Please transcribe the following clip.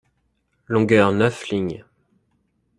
Longueur neuf lignes.